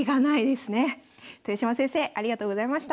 豊島先生ありがとうございました。